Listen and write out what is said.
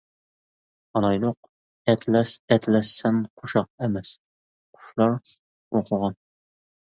ئالايلۇق: ئەتلەس، ئەتلەس سەن قوشاق ئەمەس، قۇشلار ئوقۇغان.